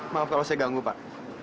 maaf kalau saya ganggu pak